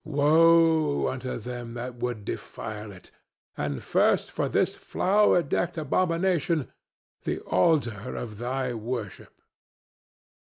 Woe unto them that would defile it! And first for this flower decked abomination, the altar of thy worship!"